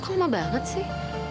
kok lama banget sih